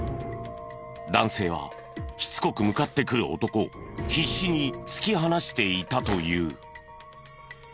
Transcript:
男性はしつこく向かってくる男を必死に突き放していたという。